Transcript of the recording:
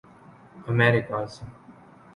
Americas